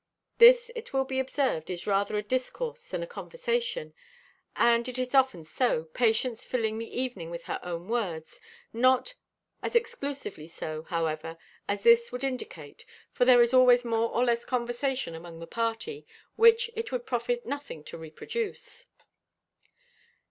This, it will be observed, is rather a discourse than a conversation, and it is often so, Patience filling the evening with her own words; not as exclusively so, however, as this would indicate: for there is always more or less conversation among the party, which it would profit nothing to reproduce.